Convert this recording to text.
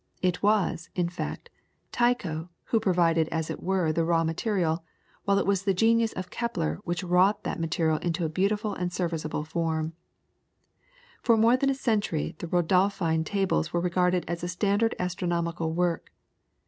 It was, in fact, Tycho who provided as it were the raw material, while it was the genius of Kepler which wrought that material into a beautiful and serviceable form. For more than a century the Rudolphine tables were regarded as a standard astronomical work.